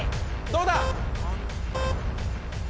どうだ？